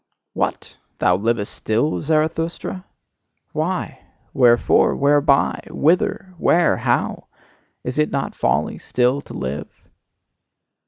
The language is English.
What! Thou livest still, Zarathustra? Why? Wherefore? Whereby? Whither? Where? How? Is it not folly still to live?